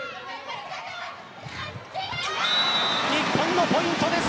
日本のポイントです。